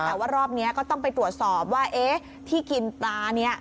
แต่ว่ารอบนี้ก็ต้องไปตรวจสอบว่าที่กินปลานี้